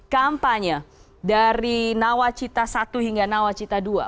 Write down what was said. kampanye dari nawacita i hingga nawacita ii